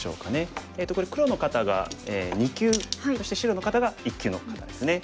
黒の方が２級そして白の方が１級の方ですね。